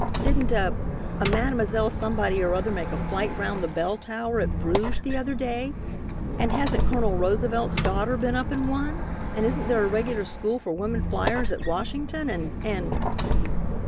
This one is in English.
Didn't a a Mademoiselle somebody or other make a flight round the bell tower at Bruges the other day, and hasn't Col. Roosevelt's daughter been up in one, and isn't there a regular school for women fliers at Washington, and and